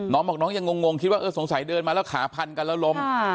น้องบอกน้องยังงงคิดว่าเออสงสัยเดินมาแล้วขาพันกันแล้วล้ม